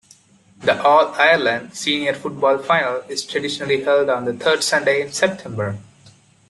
The All-Ireland Senior Football final is traditionally held on the third Sunday in September.